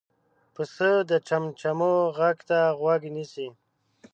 پسه د چمچمو غږ ته غوږ نیسي.